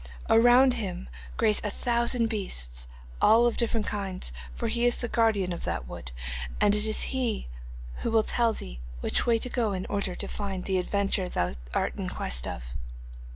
Around him graze a thousand beasts, all of different kinds, for he is the guardian of that wood, and it is he who will tell thee which way to go in order to find the adventure thou art in quest of."